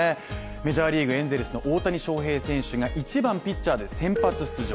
メジャーリーグエンゼルスの大谷翔平選手が１番・ピッチャーで先発出場